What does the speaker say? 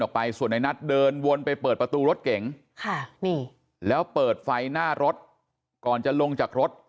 ไปส่วนในนัทเดินวนไปเปิดประตูรถเก๋งค่ะนี่แล้วเปิดไฟหน้ารถก่อนจะลงจากรถ